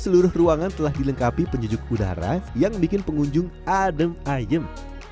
seluruh ruangan telah dilengkapi penyejuk udara yang bikin pengunjung adem ayem